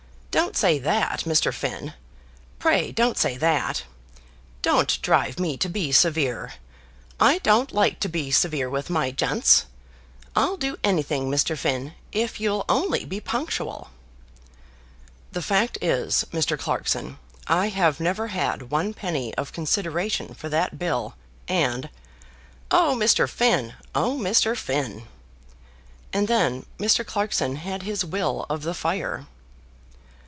"Don't say that, Mr. Finn. Pray don't say that. Don't drive me to be severe. I don't like to be severe with my gents. I'll do anything, Mr. Finn, if you'll only be punctual." "The fact is, Mr. Clarkson, I have never had one penny of consideration for that bill, and " "Oh, Mr. Finn! oh, Mr. Finn!" and then Mr. Clarkson had his will of the fire.